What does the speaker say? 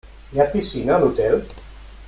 Hi ha piscina a l'hotel?